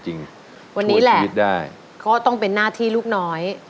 ช่วยชีวิตได้วันนี้แหละก็ต้องเป็นหน้าที่ลูกน้อย